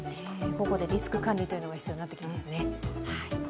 個々でリスク管理が必要になってきますね。